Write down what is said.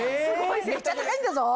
めっちゃ高いんだぞ！